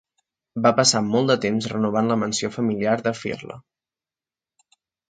Va passar molt de temps renovant la mansió familiar de Firle.